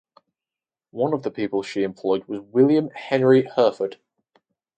One of the people she employed was William Henry Herford.